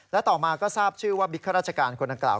และต่อมาก็ทราบชื่อว่าบิ๊กข้าราชการคนดังกล่าว